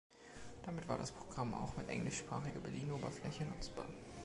Damit war das Programm auch mit englischsprachiger Bedienoberfläche nutzbar.